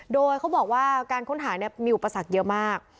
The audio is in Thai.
โดยเขาบอกว่าการค้นหามีอุปสรรคเยอะมาก